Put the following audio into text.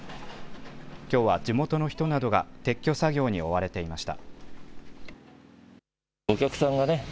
きょうは地元の人などが撤去作業に追われていました。